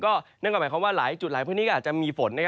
นั่นก็หมายความว่าหลายจุดหลายพื้นที่ก็อาจจะมีฝน